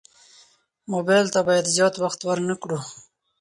موبایل ته باید زیات وخت ورنه کړو.